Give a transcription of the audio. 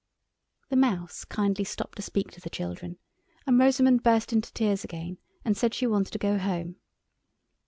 The Mouse kindly stopped to speak to the children, and Rosamund burst into tears again and said she wanted to go home.